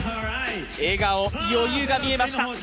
笑顔、余裕が見えました。